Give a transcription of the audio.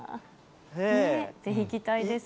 ねえ、ぜひ行きたいです。